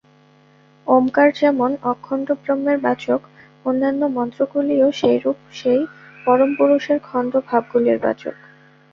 ওঙ্কার যেমন অখণ্ডব্রহ্মের বাচক, অন্যান্য মন্ত্রগুলিও সেইরূপ সেই পরমপুরুষের খণ্ড-ভাবগুলির বাচক।